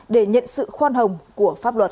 để nhận sự khoan hồng của pháp luật